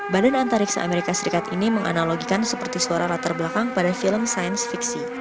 badan antariksa amerika serikat ini menganalogikan seperti suara latar belakang pada film sains fiksi